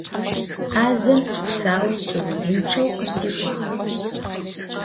azem sıpsaou, sıuzınççeu khısi'uağ